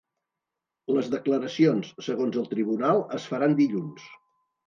Les declaracions, segons el tribunal, es faran dilluns.